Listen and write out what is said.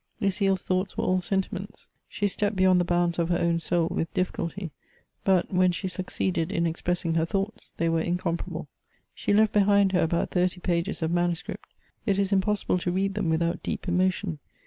Lucile' s thoughts were all sentiments ; she stepped beyond the bounds of her own soul with difficulty ; but, when she suc ceeded in expressing her thoughts, they were incomparable. She left behind her about thirty pages of manuscript ; it is impossible to read them without deep emotion.